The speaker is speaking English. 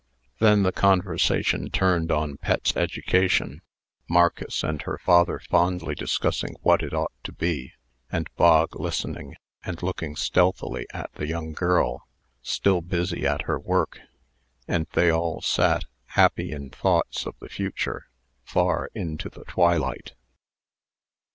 Then the conversation turned on Pet's education; Marcus and her father fondly discussing what it ought to be, and Bog listening, and looking stealthily at the young girl, still busy at her work; and they all sat, happy in thoughts of the future, far into the twilight.